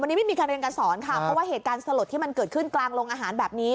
วันนี้ไม่มีการเรียนการสอนค่ะเพราะว่าเหตุการณ์สลดที่มันเกิดขึ้นกลางโรงอาหารแบบนี้